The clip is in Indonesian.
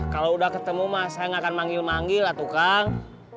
kalau udah ketemu mah saya nggak akan manggil manggil lah tuh kang